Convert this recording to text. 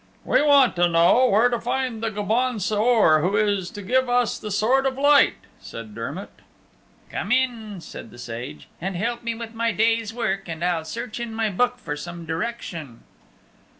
"We want to know where to find the Gobaun Saor who is to give us the Sword of Light," said Dermott. "Come in," said the Sage, "and help me with my day's work, and I'll search in my book for some direction."